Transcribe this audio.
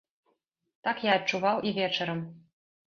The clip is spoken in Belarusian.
Так я адчуваў і вечарам.